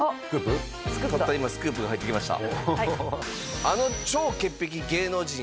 たった今スクープが入ってきました。